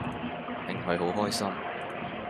令佢好開心